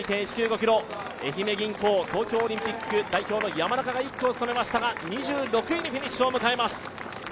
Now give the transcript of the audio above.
ｋｍ、愛媛銀行東京オリンピック代表の山中が１区を務めましたが２６位でフィニッシュを迎えます。